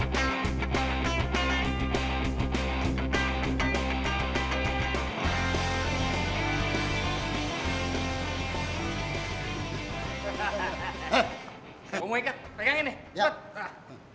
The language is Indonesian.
kau mau ikat pegangin nih cepet